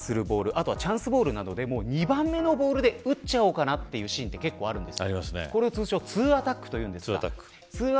あとはチャンスボールなどで２番目のボールで打っちゃおうかなというとき結構あるんです。